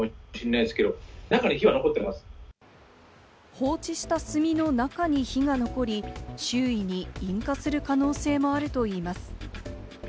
放置した炭の中に火が残り、周囲に引火する可能性もあるといいます。